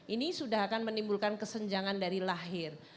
ini sudah akan menimbulkan kesenjangan dari lahir